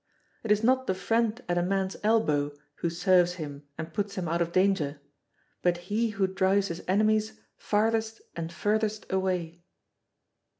It is not the friend at a man's elbow who serves him and puts him out of danger, but he who drives his enemies farthest and furthest away.